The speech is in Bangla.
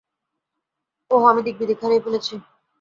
ওহ আমি দিগ্বিদিক হারিয়ে ফেলেছি।